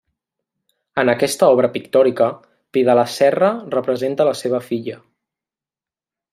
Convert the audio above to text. En aquesta obra pictòrica, Pidelaserra representa la seva filla.